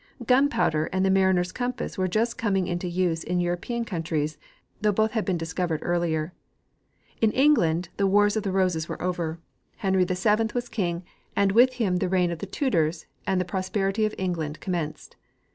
. Gunpowder and the mariners' compass were just coming into use in European countries, though both had been discovered earlier. In England, the Wars of the Roses Avere over. Henry VII 6 Gardiner G. Hubbard — Discoverers of America. was king, and with him the reign of the Tudors and the pros perity of England commenced.